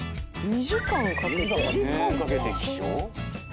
２時間かけて起床？